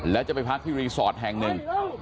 แล้วจะไปพักที่รีสอร์ทแห่งหนึ่ง